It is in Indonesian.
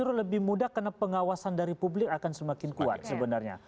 justru lebih mudah karena pengawasan dari publik akan semakin kuat sebenarnya